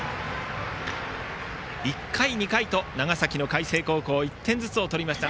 １回、２回と長崎の海星高校１点ずつを取りました。